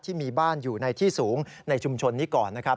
ที่มีบ้านอยู่ในที่สูงในชุมชนนี้ก่อนนะครับ